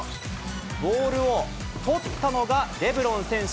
ボールを取ったのがレブロン選手。